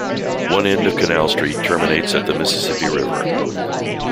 One end of Canal Street terminates at the Mississippi River.